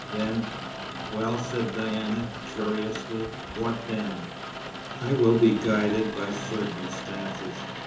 Then " "Well," said Diana, curiously, "what then?" "I will be guided by circumstances.